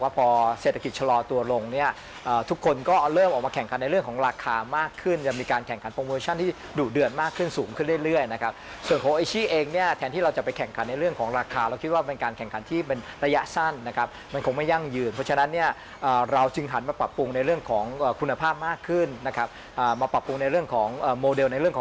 เพิ่มมูลค่าเพิ่มมากขึ้น